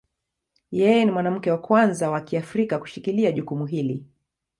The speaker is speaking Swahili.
Yeye ni mwanamke wa kwanza wa Kiafrika kushikilia jukumu hili.